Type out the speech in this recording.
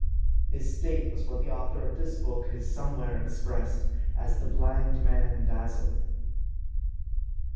His state was what the author of this book has somewhere expressed as the blind man dazzled.